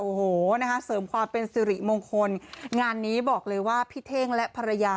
โอ้โหนะคะเสริมความเป็นสิริมงคลงานนี้บอกเลยว่าพี่เท่งและภรรยา